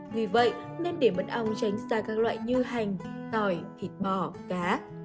vì vậy nên để mật ong tránh xa các loại như hành tỏi thịt bò cá